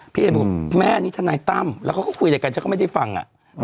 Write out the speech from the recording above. พี่เอบอกแม่นี่ทนายตั้มแล้วเขาก็คุยอะไรกันฉันก็ไม่ได้ฟังอ่ะ